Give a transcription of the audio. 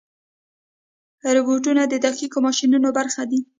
روبوټونه د دقیقو ماشینونو برخه دي.